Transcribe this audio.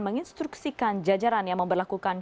menginstruksikan jajaran yang memperlakukan